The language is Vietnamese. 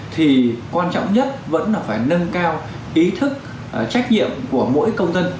thì quan trọng nhất vẫn là phải nâng cao ý thức trách nhiệm của mỗi công dân